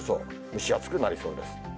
蒸し暑くなりそうです。